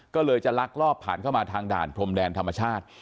ก็เลยจะลักลอบผ่านเข้ามาทางด่านพรมแดนธรรมชาติ